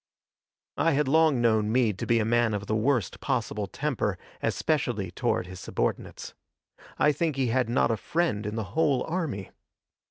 I had long known Meade to be a man of the worst possible temper, especially toward his subordinates. I think he had not a friend in the whole army.